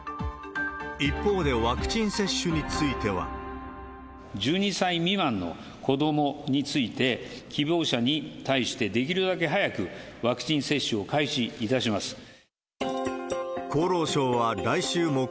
一方で、ワクチン接種については。１２歳未満の子どもについて、希望者に対してできるだけ早くワクチン接種を開始いたします。